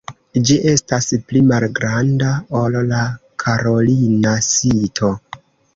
Ĝi estas pli malgranda ol la karolina sito.